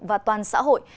và toàn xã hội